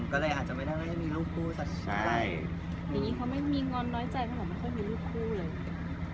อีกนี้เขาไม่มีงอนน้อยแจ้เปล่าไม่มีรูปคู่เลย